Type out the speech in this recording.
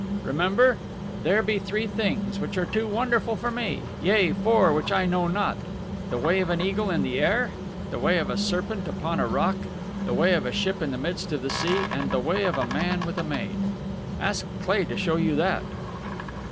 Remember? 'There be three things which are too wonderful for me, yea, four which I know not: The way of an eagle in the air; the way of a serpent upon a rock; the way of a ship in the midst of the sea; and the way of a man with a maid.' Ask Cleigh to show you that."